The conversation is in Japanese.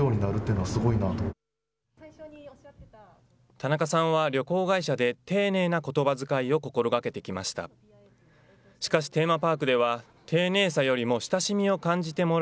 田中さんは旅行会社で丁寧なことばづかいを心がけてきました。